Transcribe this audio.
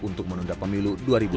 untuk menunda pemilu dua ribu dua puluh